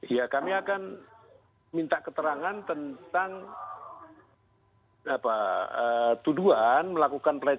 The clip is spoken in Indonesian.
ya kami akan minta keterangan tentang tuduhan melakukan pelecehan